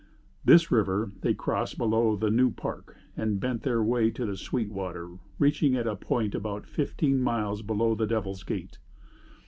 This river they crossed below the New Park and bent their way to the sweet water, reaching it at a point about fifteen miles below the Devil's Gate.